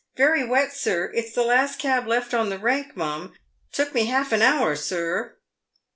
Very wet, sir ! It's the last cab left on the rank, mum ! Took me half an hour, sir